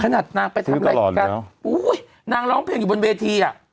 ขนาดนางไปทำอะไรกันซื้อกลอนแล้วอุ้ยนางร้องเพลงอยู่บนเวทีอ่ะ